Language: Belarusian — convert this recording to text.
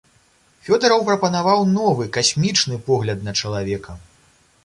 Фёдараў прапанаваў новы, касмічны погляд на чалавека.